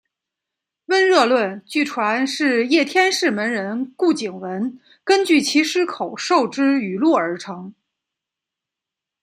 温热论据传是叶天士门人顾景文根据其师口授之语录而成。